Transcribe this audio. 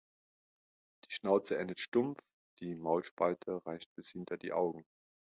Die Schnauze endet stumpf, die Maulspalte reicht bis hinter die Augen.